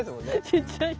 ちっちゃいよね。